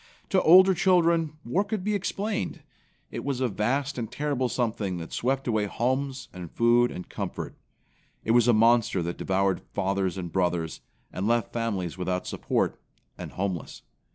To older children war could be explained. It was a vast and terrible something that swept away homes and food and comfort. It was a monster that devoured fathers and brothers, and left families without support, and homeless.